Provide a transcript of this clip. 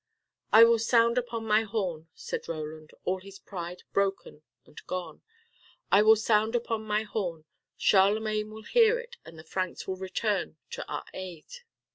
"I will sound upon my horn," said Roland, all his pride broken and gone. "I will sound upon my horn. Charlemagne will hear it and the Franks will return to our aid."